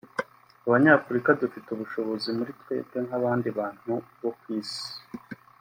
abanyafurika dufite ubushobozi muri twebwe nk’abandi bantu bo ku isi